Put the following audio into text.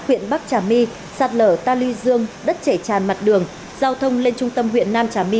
huyện bắc trà my sạt lở ta lưu dương đất chảy tràn mặt đường giao thông lên trung tâm huyện nam trà my